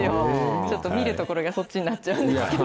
ちょっと見るところがそっちになっちゃうんですけど。